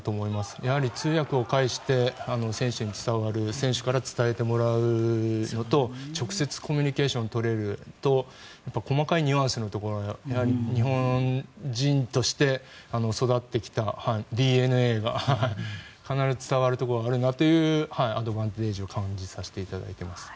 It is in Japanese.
やはり通訳を介して選手に伝わる選手から伝えてもらうのと直接コミュニケーションを取れると細かいニュアンスのところがやはり日本人として育ってきたＤＮＡが必ず伝わるところがあるなというアドバンテージを感じさせていただいています。